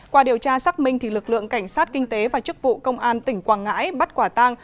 qua điều tra xác minh lực lượng cảnh sát kinh tế và chức vụ công an tỉnh quảng ngãi bắt quả tang